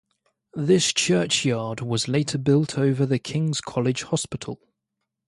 This churchyard was later built over by King's College Hospital.